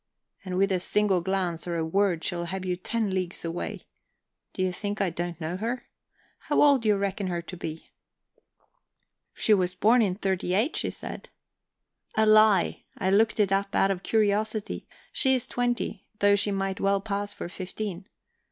And with a single glance, or a word, she'll have you ten leagues away. Do you think I don't know her? How old do you reckon her to be?" "She was born in '38, she said." "A lie. I looked it up, out of curiosity. She's twenty, though she might well pass for fifteen.